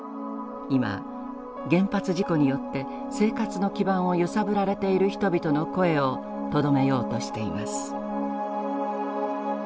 今原発事故によって生活の基盤を揺さぶられている人々の声をとどめようとしています。